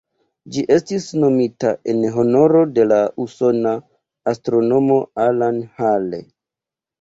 Ĝi estis nomita en honoro de la usona astronomo Alan Hale.